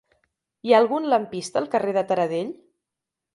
Hi ha algun lampista al carrer de Taradell?